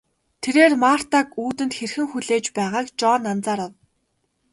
Тэрээр Мартаг үүдэнд хэрхэн хүлээж байгааг Жон анзаарав.